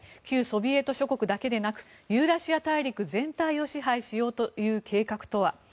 旧ソビエト諸国だけでなくユーラシア大陸全体を支配しようという計画とは。